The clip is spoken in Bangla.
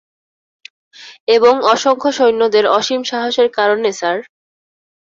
এবং, অসংখ্য সৈন্যদের অসীম সাহসের কারণে, স্যার।